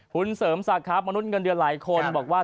คุณเสริมศักดิ์ครับมนุษย์เงินเดือนหลายคนบอกว่า